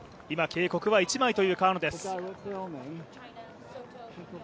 今、警告は１枚という川野です。